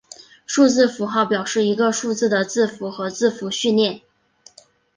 数字符号表示一个数字的字符和字符序列。